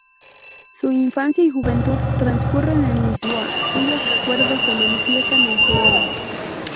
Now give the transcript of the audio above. Su infancia y juventud transcurren en Lisboa, cuyos recuerdos se manifiestan en su obra.